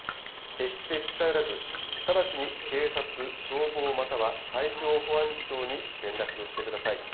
決して近寄らず、直ちに警察、消防または海上保安庁に連絡をしてください。